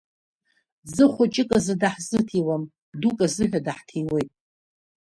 Ӡы хәыҷык азы даҳзыҭиуам, дук азыҳәа даҳҭиуеит.